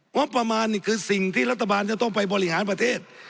งบประมาณนี่คือสิ่งที่รัฐบาลจะต้องไปบริหารประเทศ